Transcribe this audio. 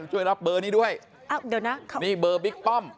ช่วยรับเบอร์นี้ด้วยอ้าวเดี๋ยวนะนี่เบอร์บิ๊กป้อม